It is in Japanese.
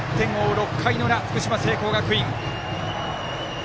６回の裏福島・聖光学院。